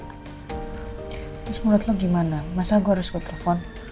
terus menurut lu gimana masa gua harus gua telepon